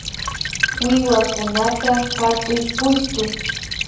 Wiwakunata hatuy pushtu